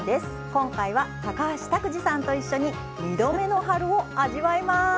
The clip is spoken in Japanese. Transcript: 今回は高橋拓児さんと一緒に２度目の春を味わいます。